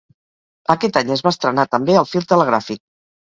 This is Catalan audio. Aquest any es va estrenar també el fil telegràfic.